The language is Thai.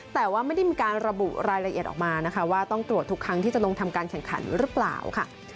แต่ว่าไม่ได้มีการระบุรายละเอียดออกมานะคะว่าต้องตรวจทุกครั้งที่จะลงทำการแข่งขันหรือเปล่าค่ะ